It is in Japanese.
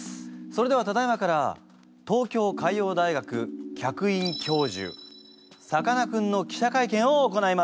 それではただいまから東京海洋大学客員教授さかなクンの記者会見を行います！